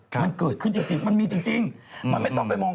มันเคยขึ้นจริงมันมีจริง